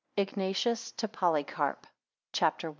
IGNATIUS TO POLYCARP CHAPTER I.